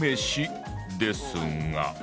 「ですが」？